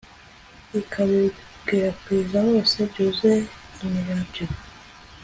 ikabikwirakwiza hose byuzuye imirabyo